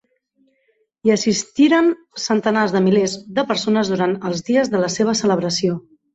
Hi assistiren centenars de milers de persones durant els dies de la seva celebració.